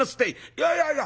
「いやいやいや